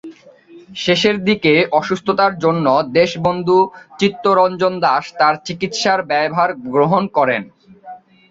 শেষের দিকে অসুস্থতার জন্য দেশবন্ধু চিত্তরঞ্জন দাশ তার চিকিৎসার ব্যয়ভার গ্রহণ করেন।